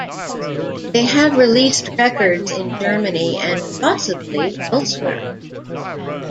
They have released records in Germany and possibly elsewhere.